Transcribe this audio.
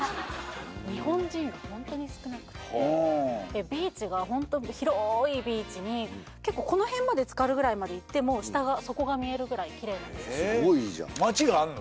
日本人がホントに少なくてビーチがホント広いビーチに結構この辺までつかるぐらいまで行っても下がすごいいいじゃん街があるの？